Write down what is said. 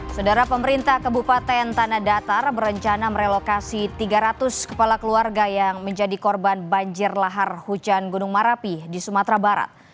saudara pemerintah kebupaten tanah datar berencana merelokasi tiga ratus kepala keluarga yang menjadi korban banjir lahar hujan gunung merapi di sumatera barat